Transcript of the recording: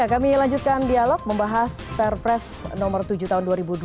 kami lanjutkan dialog membahas perpres nomor tujuh tahun dua ribu dua puluh